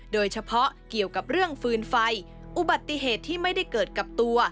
โดยเฉพาะเกี่ยวกับเรื่องฟืนไฟอุบัติเหตุที่ไม่ได้เกิดกับตัว